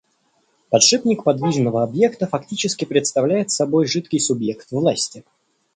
Подшипник подвижного объекта фактически представляет собой жидкий субъект власти.